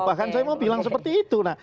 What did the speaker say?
bahkan saya mau bilang seperti itu